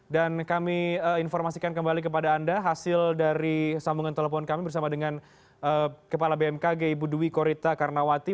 dan kami informasikan kembali kepada anda hasil dari sambungan telepon kami bersama dengan kepala bmkg ibu dwi korita karnawati